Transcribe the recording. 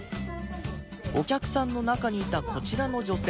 お客さんの中にいたこちらの女性